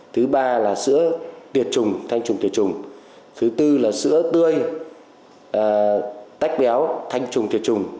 thứ ba là sữa tiệt trùng thanh trùng tuyệt chủng thứ tư là sữa tươi tách béo thanh trùng tiệt trùng